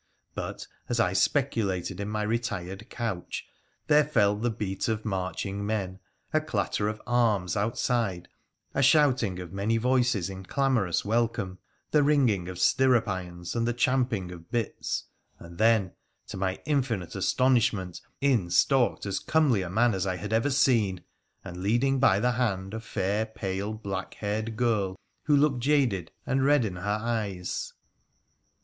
But as I speculated in my retired couch there fell the beat of marching men, a clatter of arms outside and a shouting of many voices in clamorous welcome, the ringing of stirrup irons and the champing of bits, and then, to my infinite astonish ment, in stalked as comely a man as I had ever seen, and leading by the hand a fair, pale, black haired girl, who looked jaded and red i' her eyes.